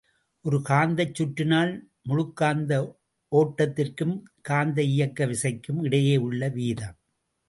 ஒரு காந்தச் சுற்றினால் முழுக்காந்த ஓட்டத்திற்கும் காந்த இயக்கு விசைக்கும் இடையே உள்ள வீதம்.